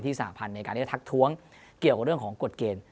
สหพันธ์ในการที่จะทักท้วงเกี่ยวกับเรื่องของกฎเกณฑ์